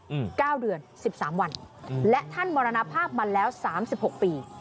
อืมเก้าเดือนสิบสามวันอืมและท่านมรณภาพมาแล้วสามสิบหกปี